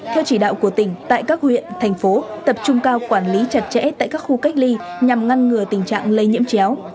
theo chỉ đạo của tỉnh tại các huyện thành phố tập trung cao quản lý chặt chẽ tại các khu cách ly nhằm ngăn ngừa tình trạng lây nhiễm chéo